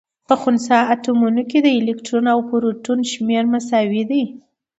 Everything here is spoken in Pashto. په خنثا اتومونو کي د الکترون او پروتون شمېر مساوي. دی